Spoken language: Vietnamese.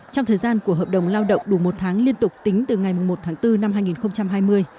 trong thời gian của hợp đồng lao động đủ một tháng liên tục tính từ ngày một tháng bốn năm hai nghìn hai mươi